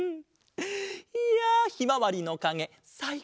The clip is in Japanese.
いやひまわりのかげさいこうだった！